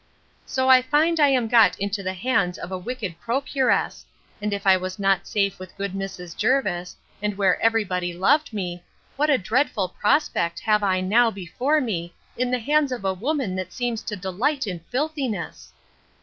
So I find I am got into the hands of a wicked procuress; and if I was not safe with good Mrs. Jervis, and where every body loved me, what a dreadful prospect have I now before me, in the hands of a woman that seems to delight in filthiness!